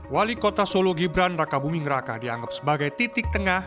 wali kota solo gibran raka buming raka dianggap sebagai titik tengah